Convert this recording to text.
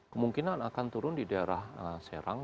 kemungkinan akan turun di daerah serang